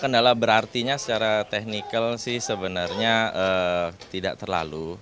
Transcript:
kendala berartinya secara teknikal sih sebenarnya tidak terlalu